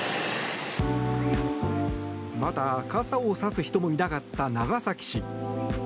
まだ傘をさす人もいなかった長崎市。